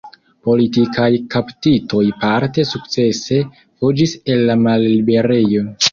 Politikaj kaptitoj parte sukcese fuĝis el la malliberejo.